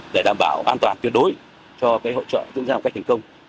để đảm bảo an toàn tuyệt đối cho hội trợ tương giao cách thành công